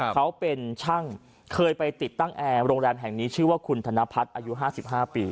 เขาเป็นช่างเคยไปติดตั้งแอร์โรงแรมแห่งนี้ชื่อว่าคุณธนพัฒน์อายุ๕๕ปี